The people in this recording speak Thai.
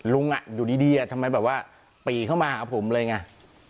ลุงอยู่ดีทำไมแบบว่าปีเข้ามาหาผมเลยไง